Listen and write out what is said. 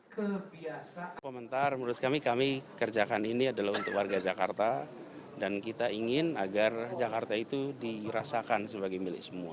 kebiasa komentar menurut kami kami kerjakan ini adalah untuk warga jakarta dan kita ingin agar jakarta itu dirasakan sebagai milik semua